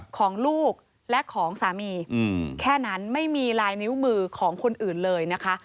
ของลูกและของสามีแค่นั้นไม่มีลายนิ้วมือของคนอื่นเลยนะคะ